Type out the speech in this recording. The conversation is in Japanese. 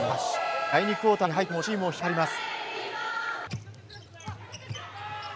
その本橋第２クオーターに入ってもチームを引っ張ります。